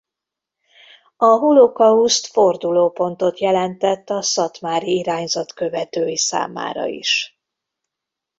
A holokauszt fordulópontot jelentett a szatmári irányzat követői számára is.